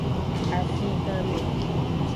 Afiganme.